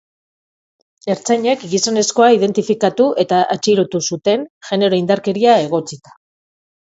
Ertzainek gizonezkoa identifikatu eta atxilotu zuten, genero-indarkeria egotzita.